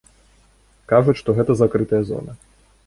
Кажуць, што гэта закрытая зона.